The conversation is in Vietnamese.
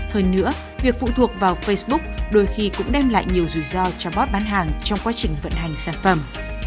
hơn nữa việc phụ thuộc vào facebook đôi khi cũng đem lại nhiều rủi ro cho bot bán hàng trong quá trình vận hành sản phẩm